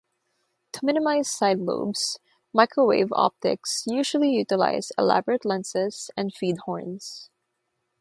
To minimize side lobes, microwave optics usually utilize elaborate lenses and feed horns.